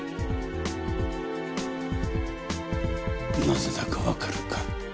なぜだかわかるか？